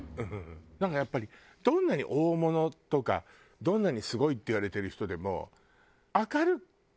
なんかやっぱりどんなに大物とかどんなにすごいって言われてる人でも。